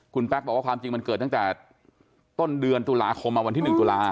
คุณแป๊กบอกว่าความจริงมันเกิดตั้งแต่ต้นเดือนตุลาคมมาวันที่๑ตุลา